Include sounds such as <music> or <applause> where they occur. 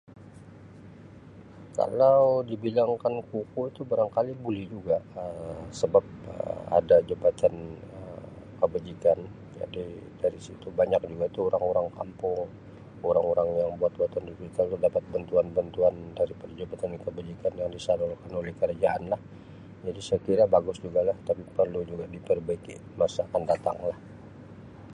Kalau dibilangkan kukuh tu berangkali boleh juga Um sebab Um ada jabatan Um kebajikan jadi <unintelligible> banyak juga tu orang-orang kampung orang-orang yang <unintelligible> dapat bantuan-bantuan <unintelligible> kebajikan yang di sana melalui kerajaan lah jadi saya kira bagus juga lah <unintelligible> perlu diperbaiki masa akan datang lah.